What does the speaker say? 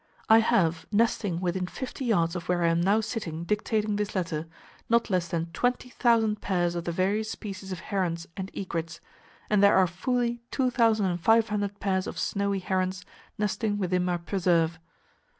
I have nesting within 50 yards of where I am now sitting dictating this letter not less than 20,000 pairs of the various species of herons and egrets, and there are fully 2,500 pairs of snowy herons nesting within my preserve.